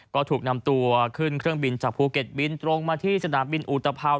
ก็ถูกนำตัวขึ้นเครื่องบินจากภูเก็ตบินตรงมาที่สนามบินอุตภัว